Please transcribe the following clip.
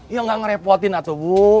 ya gak ngerepotin atuh bu